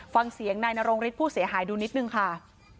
ฟังเสียงนายนรงฤทธิผู้เสียหายดูนิดนึงค่ะ